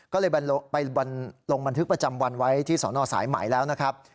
ก็เลยไปลงบันทึกประจำวันไว้ที่สนสายไหมแล้วนะครับ